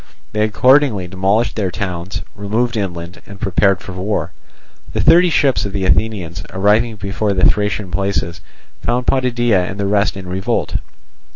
They accordingly demolished their towns, removed inland and prepared for war. The thirty ships of the Athenians, arriving before the Thracian places, found Potidæa and the rest in revolt.